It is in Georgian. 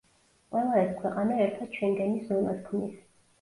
ყველა ეს ქვეყანა ერთად შენგენის ზონას ქმნის.